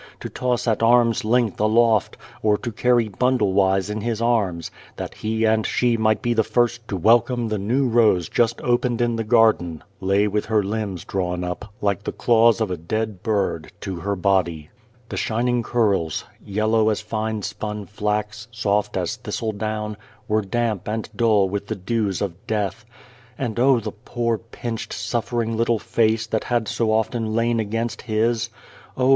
to toss at arm's length aloft, or to carry bundle wise in his arms, that he and she might be the first to welcome the new rose just opened in the garden, lay with her limbs drawn up like the claws of a dead bird to her body. The shining curls, yellow as fine spun flax, soft as thistle down, were damp and dull with the dews of death. And oh! the poor, pinched, suffering little face that had so often lain against 209 p The Child, the Wise Man his ! Oh !